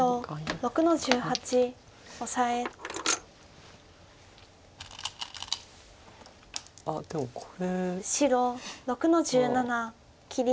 白６の十七切り。